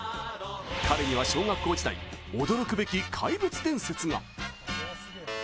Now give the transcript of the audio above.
彼には小学校時代、驚くべき怪物伝説が。